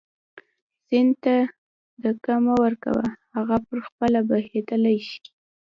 سیند ته دیکه مه ورکوه هغه په خپله بهېدلی شي.